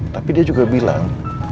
tapi dia juga bilang